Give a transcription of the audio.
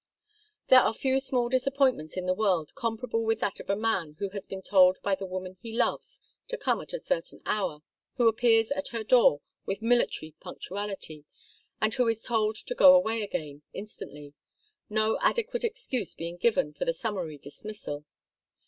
There are few small disappointments in the world comparable with that of a man who has been told by the woman he loves to come at a certain hour, who appears at her door with military punctuality and who is told to go away again instantly, no adequate excuse being given for the summary dismissal.